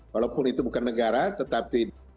walaupun itu bukan negara tetapi